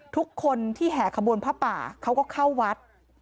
ทุกคนที่แห่ขบวนผ้าป่าเขาก็เข้าวัด